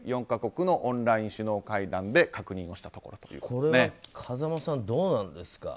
４か国のオンライン首脳会談で確認したところです。